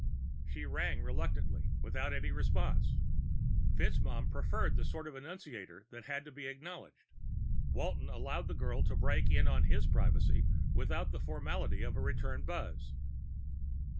_" She rang, reluctantly, without any response. FitzMaugham preferred the sort of annunciator that had to be acknowledged; Walton allowed the girl to break in on his privacy without the formality of a return buzz.